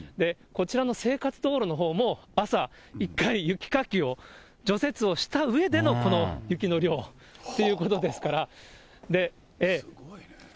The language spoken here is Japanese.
こちらの生活道路のほうも、朝、１回、雪かきを、除雪をしたうえでのこの雪の量ということですから。